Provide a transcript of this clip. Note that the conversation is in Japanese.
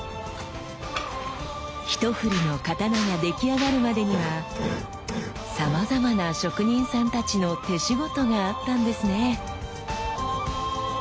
ひとふりの刀が出来上がるまでにはさまざまな職人さんたちの手仕事があったんですね。